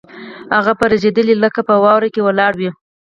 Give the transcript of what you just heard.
هغه به رېږدېدله لکه په واورو کې ولاړه وي